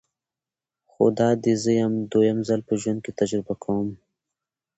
خو دادی زه یې دویم ځل په ژوند کې تجربه کوم.